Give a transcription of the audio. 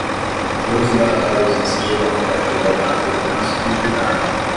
juros moratórios incidirão a partir da data do trânsito em julgado